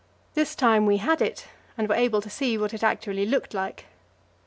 This time we had it, and were able to see what it actually looked like.